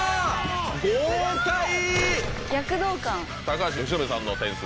高橋由伸さんの点数。